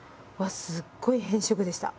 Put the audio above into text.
すっごい偏食でした。